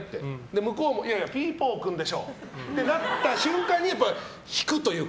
向こうもピーポー君でしょってなった瞬間に、引くというか。